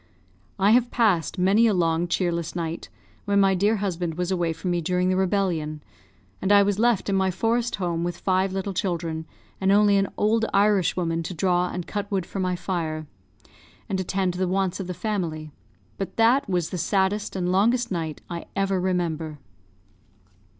I have passed many a long cheerless night, when my dear husband was away from me during the rebellion, and I was left in my forest home with five little children, and only an old Irish woman to draw and cut wood for my fire, and attend to the wants of the family, but that was the saddest and longest night I ever remember.